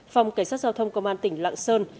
phòng cảnh sát giao thông công an tỉnh lạng sơn